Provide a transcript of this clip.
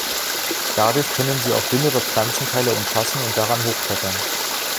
Dadurch können sie auch dünnere Pflanzenteile umfassen und daran hochklettern.